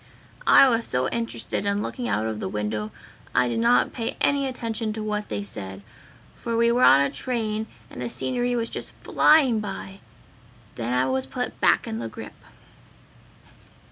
"I was so interested in looking out of the window I did not pay any attention to what they said, for we were on a train and the scenery was just flying by! Then I was put back in the grip.